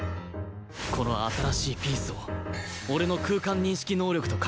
この新しいピースを俺の空間認識能力と掛け合わせる